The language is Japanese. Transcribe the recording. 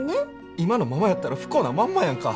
今のままやったら不幸なまんまやんか。